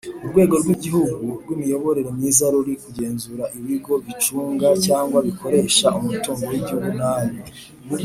Urwego rw Igihugu rw Imiyoborere myiza ruri kugenzura ibigo bicunga cyangwa bikoresha umutungo w’ igihugu nabi